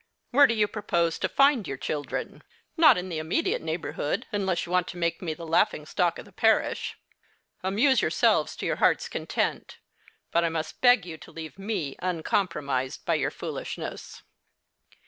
Where do you propose to tind your children ? Not in the immediate neighbour hood, unless you want to make me the laughing stock of the parish. Amuse yourselves to your hearts' content ; but I must beg you to leave me uncompromised by your foolishness.